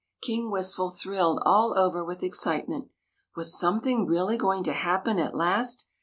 " King Wistful thrilled all over with excite ment. Was something really going to happen at last?